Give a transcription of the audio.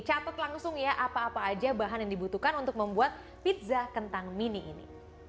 catat langsung ya apa apa aja bahan yang dibutuhkan untuk membuat pizza kentang mini ini